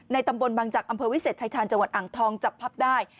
ตำบลบางจักรอำเภอวิเศษชายชาญจังหวัดอ่างทองจับพับได้